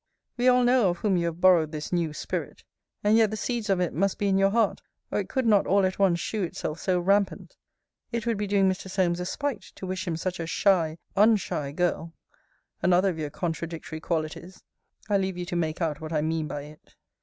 We all know of whom you have borrowed this new spirit. And yet the seeds of it must be in your heart, or it could not all at once shew itself so rampant. It would be doing Mr. Solmes a spite to wish him such a shy, un shy girl; another of your contradictory qualities I leave you to make out what I mean by it.